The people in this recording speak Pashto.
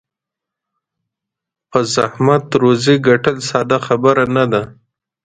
په زحمت روزي ګټل ساده خبره نه ده.